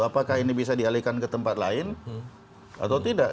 apakah ini bisa dialihkan ke tempat lain atau tidak